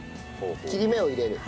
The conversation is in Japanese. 切り目を入れる。